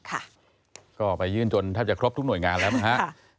ก็ไปยื่นจนแทบจะครบทุกหน่วยงานแล้วนะครับ